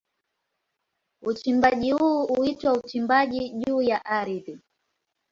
Uchimbaji huu huitwa uchimbaji wa juu ya ardhi.